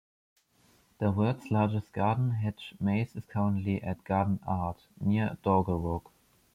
The World's Largest Garden Hedge Maze is currently at "Garden Art", near Dolgarrog.